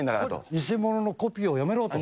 偽物のコピーをやめろと。